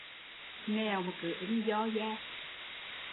Nghèo mà cứ ưng do de